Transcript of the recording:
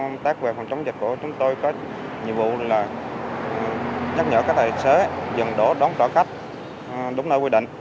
nhắc nhở các tài xế dừng đổ đón trả khách đúng nơi quy định